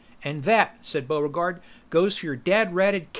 "And that," said Buregarde, "goes for your dad ratted cat!"